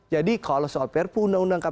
jadi kalau soal perpu undang undang kpk